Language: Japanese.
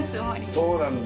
そうなんだ。